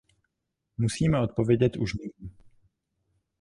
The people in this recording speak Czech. Musíme odpovědět už nyní.